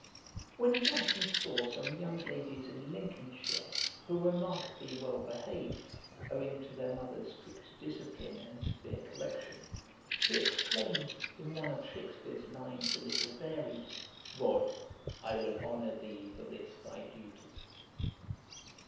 When Johnson saw some young ladies in Lincolnshire who were remarkably well behaved, owing to their mother's strict discipline and severe correction, he exclaimed, in one of Shakspeare's lines a little varied, 'Rod, I will honour thee for this thy duty.'